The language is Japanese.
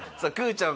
ちゃん